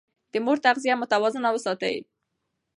د مور تغذيه متوازنه وساتئ.